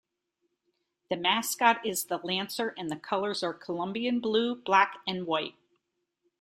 The mascot is the Lancer and the colors are Columbia blue, black, and white.